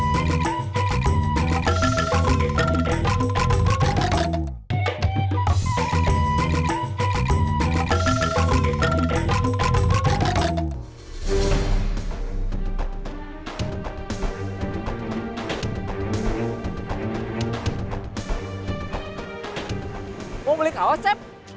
mau beli kawas sep